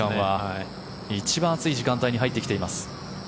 一番暑い時間になってきています。